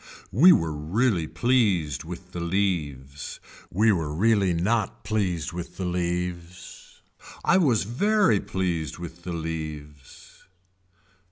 We were really pleased with the leaves. We were really not pleased with the leaves. I was very pleased with the leaves.